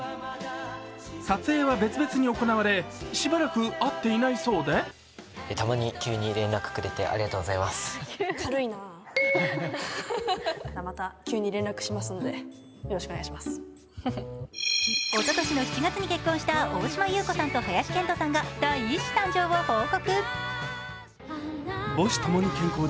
撮影は別々に行われ、しばらく会っていないそうでおととしの７月に結婚した大島優子さんと林遣都さんが第１子誕生を報告。